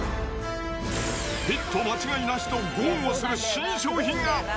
ヒット間違いなしと豪語する新商品が。